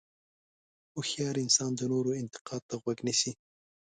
هوښیار انسان د نورو انتقاد ته غوږ نیسي.